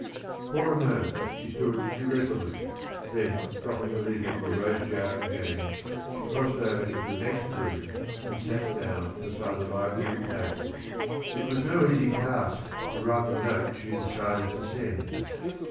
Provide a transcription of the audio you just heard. _" For a moment she stood irresolute, then dropping the lid on the rose jar again, she crossed over into the next room and sat down beside the library table. It was no easy task to write the note she had decided to send.